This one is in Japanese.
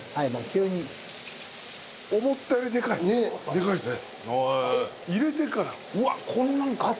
細かいですね。